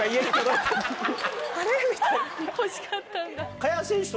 欲しかったんだ。